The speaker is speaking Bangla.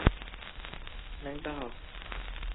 নেংটা হ!